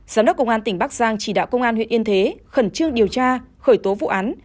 giám đốc công an tỉnh bắc giang chỉ đạo công an huyện yên thế khẩn trương điều tra khởi tố vụ án